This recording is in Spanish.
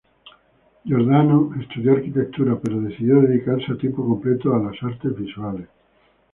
Giordano estudió arquitectura, pero decidió dedicarse a tiempo completo a las artes visuales.